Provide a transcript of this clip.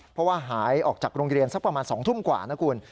เพราะว่าหายออกจากโรงเรียนสักประมาณ๒ทุ่มกว่านะคุณ